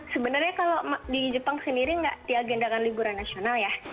sebenarnya kalau di jepang sendiri nggak diagendakan liburan nasional ya